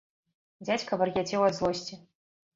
Дзядзька вар'яцеў ад злосці.